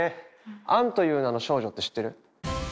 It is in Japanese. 「アンという名の少女」って知ってる？